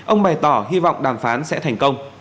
ông bày tỏ hy vọng đàm phán sẽ thành công